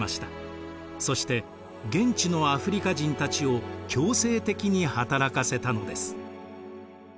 そして現地のアフリカ人たちを強制的に働かせたのです。